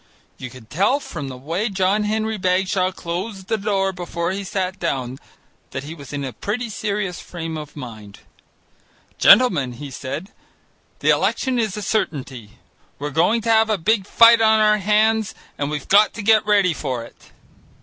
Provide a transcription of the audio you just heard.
You could tell from the way John Henry Bagshaw closed the door before he sat down that he was in a pretty serious frame of mind. "Gentlemen," he said, "the election is a certainty. We're going to have a big fight on our hands and we've got to get ready for it."